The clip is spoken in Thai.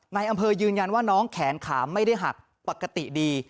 นายอำเภอยืนยันว่าน้องแขนขาไม่ได้หักปกติดี